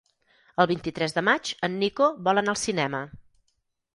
El vint-i-tres de maig en Nico vol anar al cinema.